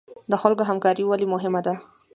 د خلکو همکاري ولې مهمه ده؟